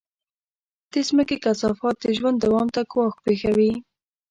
د مځکې کثافات د ژوند دوام ته ګواښ پېښوي.